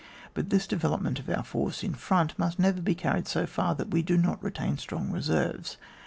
But this development of our force in front must never be carried so far that we do not retain strong reserves.